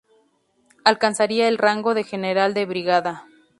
Alcanzaría el rango de general de brigada.